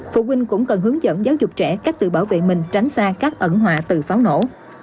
phụ huynh cũng cần hướng dẫn giáo dục trẻ cách tự bảo vệ mình tránh xa các ẩn họa từ pháo nổ